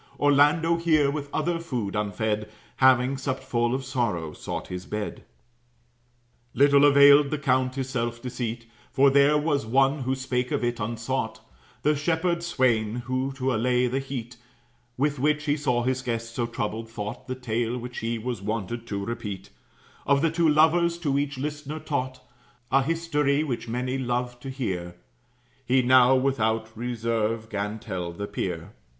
Orlando here, with other food unfed, Having supt full of sorrow, sought his bed. Little availed the count his self deceit; For there was one who spake of it unsought: The shepherd swain, who to allay the heat With which he saw his guest so troubled, thought The tale which he was wonted to repeat Of the two lovers to each listener taught; A history which many loved to hear, He now, without reserve, 'gan tell the peer.